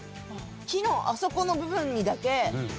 木のあそこの部分にだけ。